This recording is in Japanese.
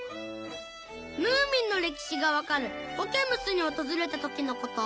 『ムーミン』の歴史がわかるコケムスに訪れた時の事